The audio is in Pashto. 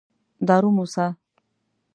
دارو موسه.